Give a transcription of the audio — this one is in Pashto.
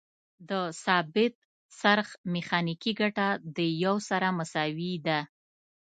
د ثابت څرخ میخانیکي ګټه د یو سره مساوي ده.